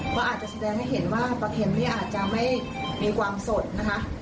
ก็อาจจะแสดงให้เห็นว่าปลาเข็มนี่อาจจะไม่มีความสดนะคะ